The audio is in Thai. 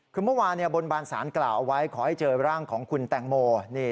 คือเมื่อวานบนบานสารกล่าวเอาไว้ขอให้เจอร่างของคุณแตงโม